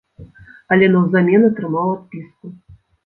Але наўзамен атрымаў адпіску.